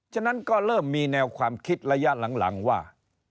ฉะนั้นก็เริ่มมีแนวความคิดระยะหลังว่า